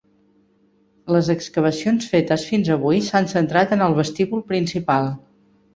Les excavacions fetes fins avui s'han centrat en el vestíbul principal.